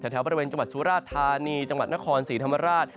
แถวบริเวณจังหวัดสุราชธานีจังหวัดนครศรีธรรมราช